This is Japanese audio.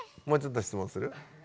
もうちょっと質問する？